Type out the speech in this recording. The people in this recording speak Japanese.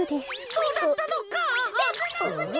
そうだったのか！